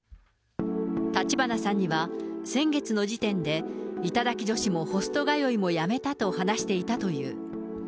立花さんには、先月の時点で、頂き女子もホスト通いもやめたと話していたという。